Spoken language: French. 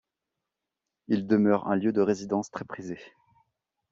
Il demeure un lieu de résidence très prisé.